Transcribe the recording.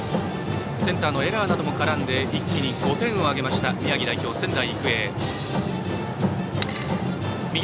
センターのエラーなども絡んで一気に５点を挙げました宮城代表・仙台育英。